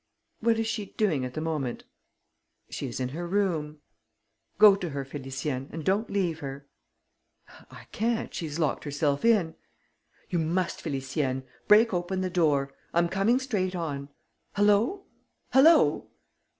"What is she doing at the moment?" "She is in her room." "Go to her, Félicienne, and don't leave her." "I can't. She's locked herself in." "You must, Félicienne. Break open the door. I'm coming straight on.... Hullo! Hullo!...